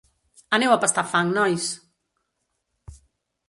Aneu a pastar fang, nois!